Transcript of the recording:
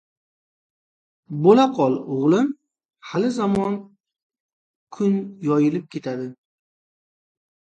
— Bo‘la qol, o‘g‘lim, hali-zamon kun yoyilib ketadi.